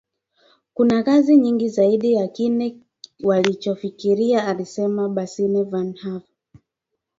Kuna kazi nyingi zaidi ya kile walichofikiria alisema Basile van Havre